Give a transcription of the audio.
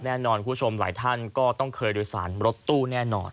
แน่นอนคุณผู้ชมหลายท่านก็ต้องเคยโดยสารรถตู้แน่นอน